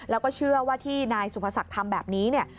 แล้วก็เชื่อว่าที่นายสุภศักดิ์ทำแบบนี้เนี่ย